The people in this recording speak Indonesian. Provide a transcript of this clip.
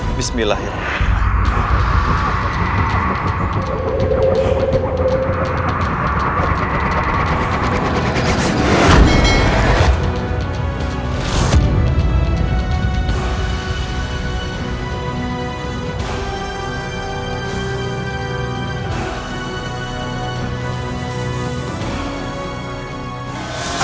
hanya satu meluncur menangnice